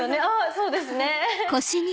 そうですね。